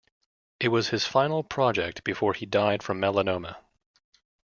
It was his final project before he died from melanoma.